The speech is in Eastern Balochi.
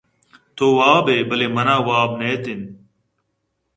تو وابئے بلئے من ءَ واب نئیت اِنت